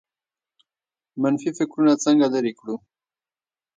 منفي فکرونه څنګه لرې کړو؟